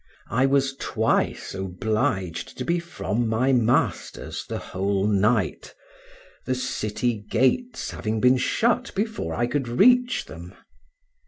I was twice obliged to be from my master's the whole night, the city gates having been shut before I could reach them.